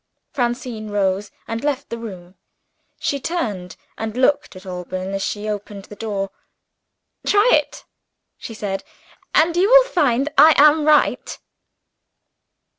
Francine rose, and left the room. She turned, and looked at Alban as she opened the door. "Try it," she said "and you will find I am right."